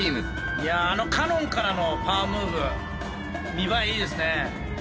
いやあのカノンからのパワームーブ見栄えいいですね。